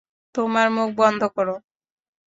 তোমার মুখ বন্ধ কর।